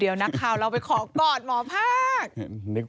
เดี๋ยวนักข่าวเราไปขอกอดหมอภาค